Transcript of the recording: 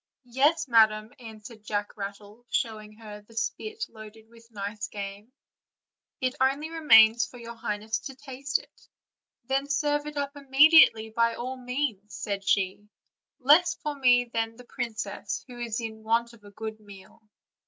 "Yes, madam," answered Jack Rattle, showing her the spit loaded with nice game; "it only remains for your highness to taste it." "Then serve it up immediately, by all means," said she, "less for me than the princess, who is in want of a good meal."